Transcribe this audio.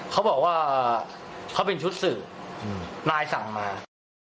เขาบอกว่าเขาเป็นชุดสืบนายสั่งมา